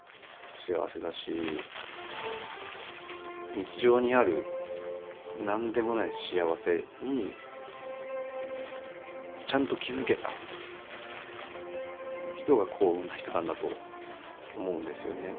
日常にある何でもない幸せにちゃんと気付けた人が幸運なひとなんだと思うんですよね。